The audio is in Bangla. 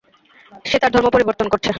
সে তার ধর্ম পরিবর্তন করছে।